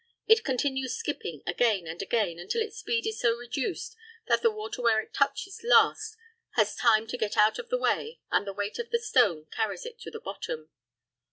It continues "skipping," again and again, until its speed is so reduced that the water where it touches last has time to get out of the way, and the weight of the stone carries it to the bottom.